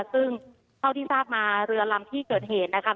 ซึ่งเท่าที่ทราบมาเรือลำที่เกิดเหตุนะคะ